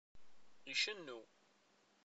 Icennu.